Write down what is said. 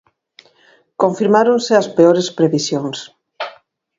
Confirmáronse as peores previsións.